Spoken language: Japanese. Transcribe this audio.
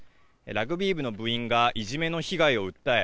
ラグビー部の部員がいじめの被害を訴え